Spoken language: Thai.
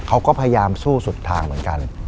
เขาก็พยายามสู้สุดทางเหมือนกัน